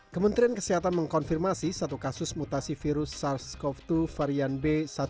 kementerian kesehatan mengkonfirmasi satu kasus mutasi virus sars cov dua varian b satu tiga ratus lima puluh satu